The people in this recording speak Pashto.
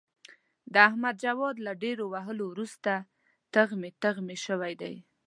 د احمد وجود له ډېرو وهلو ورسته تغمې تغمې شوی دی.